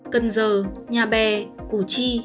cần giờ nhà bè củ chi